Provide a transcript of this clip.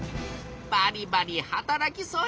バリバリ働きそうや。